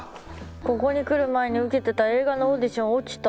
ここに来る前に受けてた映画のオーディション落ちた。